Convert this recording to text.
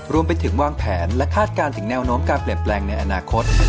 รวมไปถึงวางแผนและคาดการณ์ถึงแนวโน้มการเปลี่ยนแปลงในอนาคต